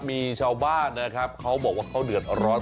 มีชาวบ้านนะครับเขาบอกว่าเขาเดือดร้อน